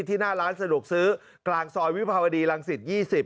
หน้าร้านสะดวกซื้อกลางซอยวิภาวดีรังสิต๒๐